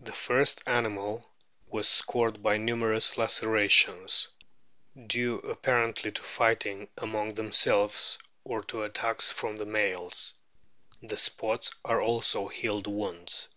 The first animal was scored by numerous lacerations, due, apparently, to fighting among themselves or to attacks from the males. The spots are also healed wounds.